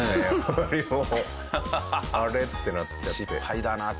あれ？ってなっちゃって。